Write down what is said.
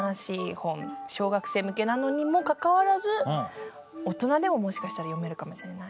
小学生向けなのにもかかわらず大人でももしかしたら読めるかもしれない。